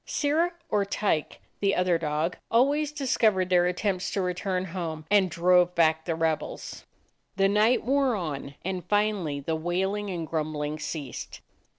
Sirrah or Tyke, the other dog, always discov ered their attempts to return home and drove back the rebels. The night wore on, and finally the wailing and grumbling ceased.